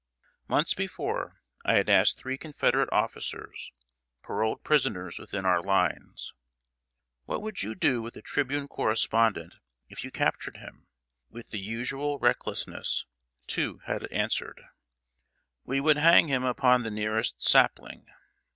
Months before, I had asked three Confederate officers paroled prisoners within our lines: "What would you do with a Tribune correspondent, if you captured him?" With the usual recklessness, two had answered: "We would hang him upon the nearest sapling."